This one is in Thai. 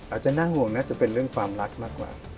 อาจจะน่าห่วงน่าจะเป็นเรื่องความรักมากกว่า